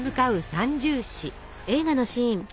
「三銃士」。